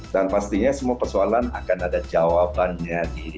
dan pastinya semua persoalan akan ada jawabannya di sequel ini